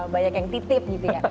banyak yang titip gitu ya